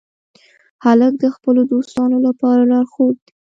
هلک د خپلو دوستانو لپاره لارښود دی.